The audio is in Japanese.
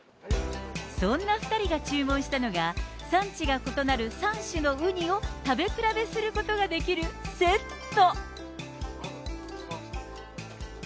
そんな２人が注文したのが、産地が異なる３種のウニを食べ比べすることができるセット。